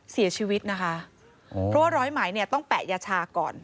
เสียชีวิตนะคะเพราะว่าร้อยไหมเนี่ยต้องแปะยาชาก่อน